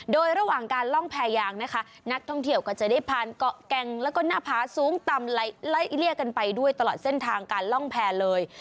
โดยระหว่างการล่องแพรยางนะคะนักท่องเที่ยวก็จะได้ผ่านเกาะแก่งแล้วก็หน้าผาสูงต่ำไล่เลี่ยกันไปด้วยตลอดเส้นทางการล่องแพร่เลย